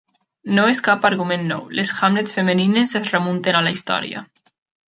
No és cap argument nou; les Hamlets femenines es remunten a la història.